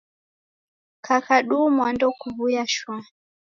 Kukadumwa ndekuw'uya shwaa.